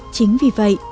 chính vì vậy